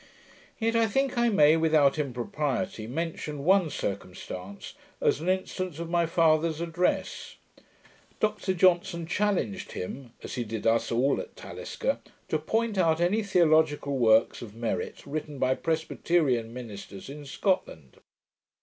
Yet I think I may, without impropriety, mention one circumstance, as an instance of my father's address. Dr Johnson challenged him, as he did us all at Talisker, to point out any theological works of merit written by Presbyterian ministers in Scotland.